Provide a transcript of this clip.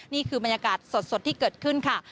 นี่คือบรรยากาศสดที่เกิดขึ้นค่ะ